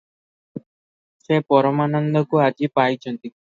ସେ ପରମାନନ୍ଦଙ୍କୁ ଆଜି ପାଇଚନ୍ତି ।